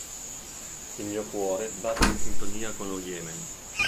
Il mio cuore batte in sintonia con lo Yemen.